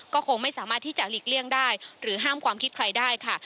ก็คงไม่สามารถที่จะหลีกเลี่ยงได้หรือห้ามความคิดใครได้ค่ะ